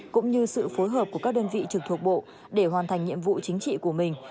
cũng như sự phối hợp của các đơn vị trực thuộc bộ để hoàn thành nhiệm vụ chính trị của mình